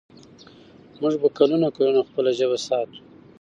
موږ به کلونه کلونه خپله ژبه ساتو.